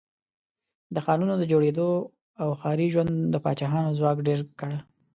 د ښارونو د جوړېدو او ښاري ژوند د پاچاهانو ځواک ډېر کړ.